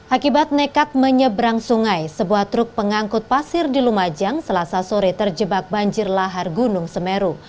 akibat nekat menyeberang sungai sebuah truk pengangkut pasir di lumajang selasa sore terjebak banjir lahar gunung semeru